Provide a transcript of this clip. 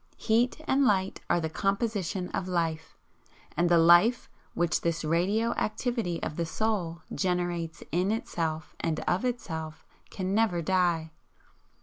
Heat and Light are the composition of Life; and the Life which this radio activity of Soul generates IN itself and OF itself, can never die.